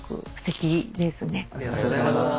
ありがとうございます。